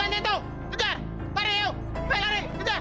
lari lari kejar kejar